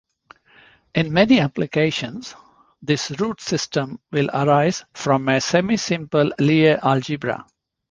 In many applications, this root system will arise from a semisimple Lie algebra.